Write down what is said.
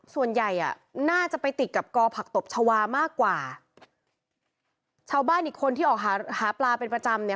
ส่วนใหญ่อ่ะน่าจะไปติดกับกอผักตบชาวามากกว่าชาวบ้านอีกคนที่ออกหาหาปลาเป็นประจำเนี่ย